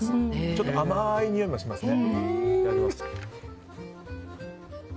ちょっと甘いにおいもしますね。